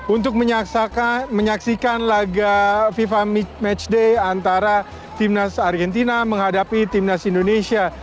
untuk menyaksikan laga fifa matchday antara timnas argentina menghadapi timnas indonesia